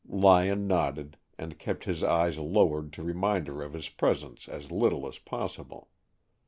Lyon nodded, and kept his eyes lowered to remind her of his presence as little as possible.